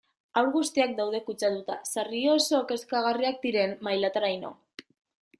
Haur guztiak daude kutsatuta, sarri oso kezkagarriak diren mailataraino.